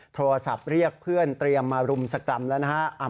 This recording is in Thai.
โทรศัพท์เรียกเพื่อนเตรียมมารุมสกรรมแล้วนะฮะ